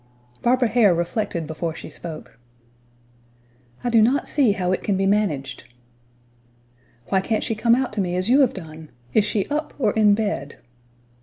Barbara Hare reflected before she spoke. "I do not see how it can be managed." "Why can't she come out to me as you have done? Is she up, or in bed?"